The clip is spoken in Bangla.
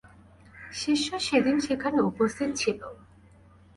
শিষ্য সেদিন সেখানে উপস্থিত ছিল।